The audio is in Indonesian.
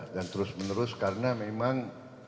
dan terus menerus karena memang